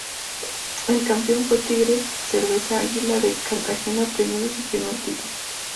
El campeón fue Tigres Cerveza Águila de Cartagena obteniendo su primer título.